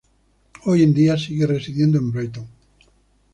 Hoy en día, sigue residiendo en Brighton.